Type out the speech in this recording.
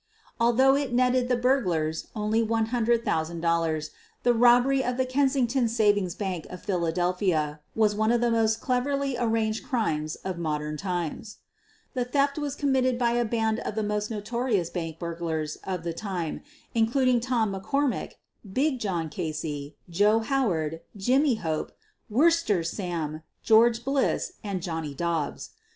Although it netted the burglars only $100,000, the robbery of the Kensington Savings Bank of Phila delphia was one of the most cleverly arranged crimes of modern times. The theft was committed by a band of the most notorious bank burglars of the time, including Tom MoCormack, Big John Casey, Joe Howard, Jimmy Hope, Worcester Sam, George Bliss, and Johnny Dobbs.